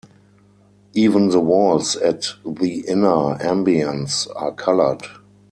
Even the walls at the inner ambience are coloured.